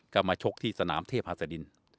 ก็มาชกที่สนามเทพฮัศดิน